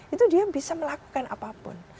itu dia bisa melakukan apapun